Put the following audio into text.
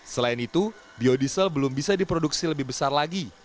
selain itu biodiesel belum bisa diproduksi lebih besar lagi